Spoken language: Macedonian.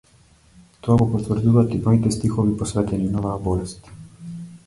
Тоа го потврдуваат и бројните стихови посветени на оваа болест.